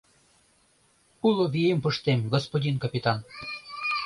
Уло вием пыштем, господин капитан!